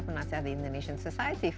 penasihat di indonesian society